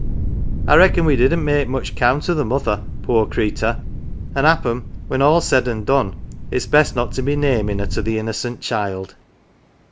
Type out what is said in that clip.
I reckon we didn't make much count o' th' mother, poor creator', an' happen 44 GAFFER'S CHILD when all's said an 1 done, it's best not to be namin' her to the innocent child."